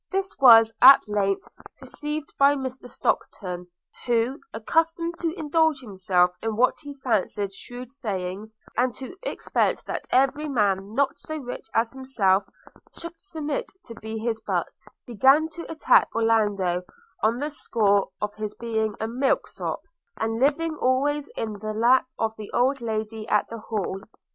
This was at length perceived by Mr Stockton, who, accustomed to indulge himself in what he fancied shrewd sayings, and to expect that every man not so rich as himself should submit to be his butt, began to attack Orlando on the score of his being a milk sop, and living always in the lap of the old lady at the Hall.